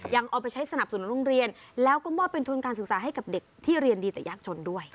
ยังเอาไปใช้สนับสนุนโรงเรียนแล้วก็มอบเป็นทุนการศึกษาให้กับเด็กที่เรียนดีแต่ยากจนด้วย